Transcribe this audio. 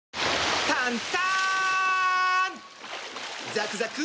ザクザク！